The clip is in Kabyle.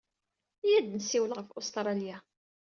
Iyya ad nessiwel ɣef Ustṛalya.